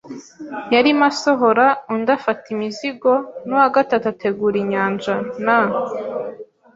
yarimo asohora, undi afata imizigo, n'uwa gatatu ategura inyanja - na